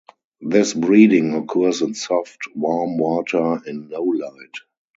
This breeding occurs in soft, warm water in low light.